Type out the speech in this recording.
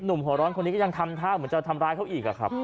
หนุ่มหัวร้อนคนนี้ก็ยังทำทาบเหมือนจะทำแร้เขาอีก